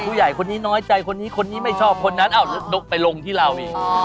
ผู้ใหญ่คนนี้น้อยใจคนนี้ไม่ชอบคนนั้นอ้าวดกไปลงที่เราอีก